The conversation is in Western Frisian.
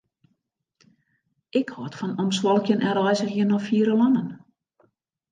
Ik hâld fan omswalkjen en reizgjen nei fiere lannen.